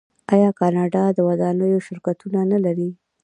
آیا کاناډا د ودانیو شرکتونه نلري؟